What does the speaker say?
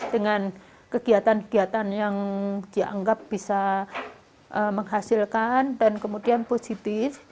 dengan kegiatan kegiatan yang dianggap bisa menghasilkan dan kemudian positif